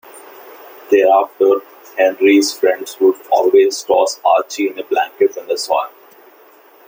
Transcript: Thereafter Henry's friends would always toss Archie in a blanket when they saw him.